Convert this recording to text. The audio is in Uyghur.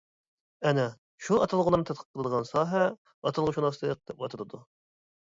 ئەنە شۇ ئاتالغۇلارنى تەتقىق قىلىدىغان ساھە ئاتالغۇشۇناسلىق، دەپ ئاتىلىدۇ.